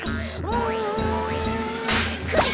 うんかい。